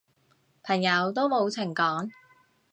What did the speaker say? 朋友都冇情講